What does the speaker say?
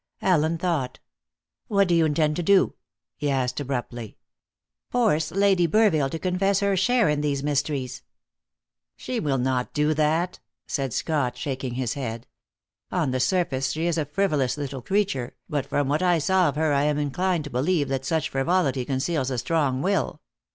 Allen thought. "What do you intend to do?" he asked abruptly. "Force Lady Burville to confess her share in these mysteries." "She will not do that," said Scott, shaking his head. "On the surface she is a frivolous little creature, but from what I saw of her I am inclined to believe that such frivolity conceals a strong will."